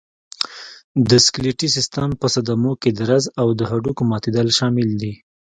د سکلېټي سیستم په صدمو کې درز او د هډوکو ماتېدل شامل دي.